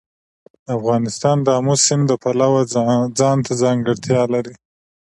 افغانستان د آمو سیند د پلوه ځانته ځانګړتیا لري.